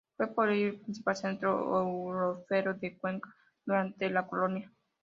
Fue por ello el principal centro aurífero de Cuenca durante la colonia.